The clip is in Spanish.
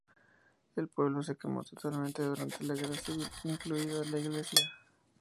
El pueblo se quemó totalmente durante la guerra civil, incluida la iglesia.